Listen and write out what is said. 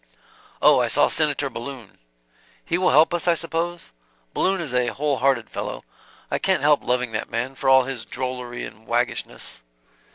"Oh, I saw Senator Balloon" "He will help us, I suppose? Balloon is a whole hearted fellow. I can't help loving that man, for all his drollery and waggishness.